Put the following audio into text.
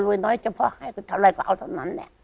น้อยเฉพาะให้ไปเท่าไรก็เอาเท่านั้นแหละ